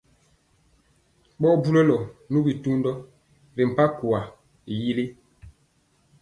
Ɓɔɔ bulɔlɔ nu bitundɔ ri pɔgi mpankwa yili.